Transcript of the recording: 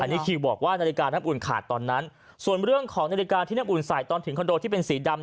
อันนี้คิวบอกว่านาฬิกาน้ำอุ่นขาดตอนนั้นส่วนเรื่องของนาฬิกาที่น้ำอุ่นใส่ตอนถึงคอนโดที่เป็นสีดำ